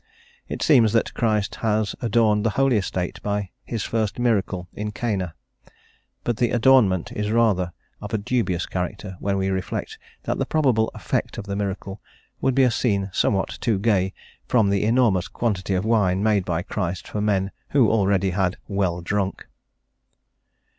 It seems that Christ has adorned the holy estate by his first miracle in Cana; but the adornment is rather of a dubious character, when we reflect that the probable effect of the miracle would be a scene somewhat too gay, from the enormous quantity of wine made by Christ for men who already had "well drunk."